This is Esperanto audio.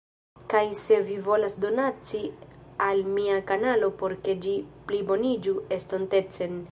Kaj se vi volas donaci al mia kanalo por ke ĝi pliboniĝu estontecen